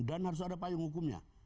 dan harus ada payung hukumnya